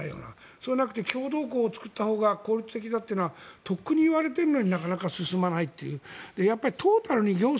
そうじゃなくて共同溝を作ったほうが効率的だというのはとっくに言われているのになかなか進まない。